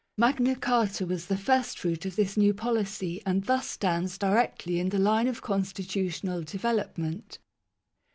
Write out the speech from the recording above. Magna Carta was the firstfruit of this new policy, and thus stands directly in the line of con stitutional development.